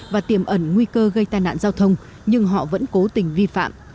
và tiềm ẩn nguy cơ gây tai nạn giao thông nhưng họ vẫn cố tình vi phạm